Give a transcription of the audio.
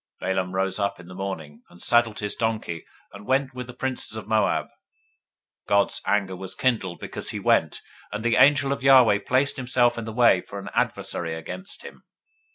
022:021 Balaam rose up in the morning, and saddled his donkey, and went with the princes of Moab. 022:022 God's anger was kindled because he went; and the angel of Yahweh placed himself in the way for an adversary against him.